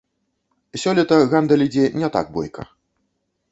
Сёлета гандаль ідзе не так бойка.